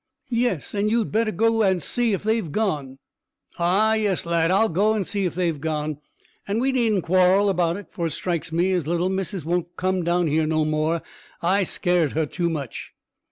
"Yes; and you'd better go and see if they've gone." "Ah, yes, lad, I'll go and see if they've gone; and we needn't quarrel 'bout it, for it strikes me as little missus won't come down here no more, I scared her too much."